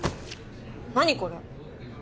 何これ？